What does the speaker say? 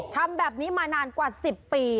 ทำแบบนี้มานานกว่า๑๐ปี